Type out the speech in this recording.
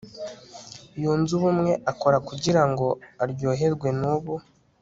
yunze ubumwe akora kugirango aryoherwe nubu